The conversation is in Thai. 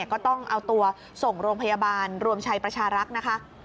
ก็ต้องเอาตัวส่งโรงพยาบาลรวมชัยประชารักษ์นะคะ